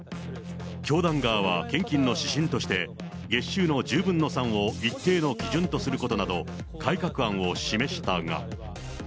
教団側は献金の指針として、月収の１０分の３を一定の基準とすることなど、改革案を示したが。